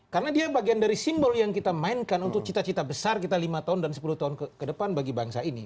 karena dia bagian dari simbol yang kita mainkan untuk cita cita besar kita lima tahun dan sepuluh tahun ke depan bagi bangsa ini